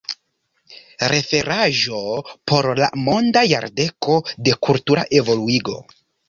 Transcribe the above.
Referaĵo por la Monda Jardeko de Kultura Evoluigo.